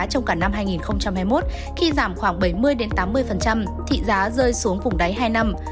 trong cả năm hai nghìn hai mươi một khi giảm khoảng bảy mươi tám mươi thị giá rơi xuống vùng đáy hai năm